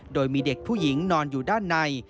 โดยมีเด็กผู้หญิงนอนอยู่ด้านใน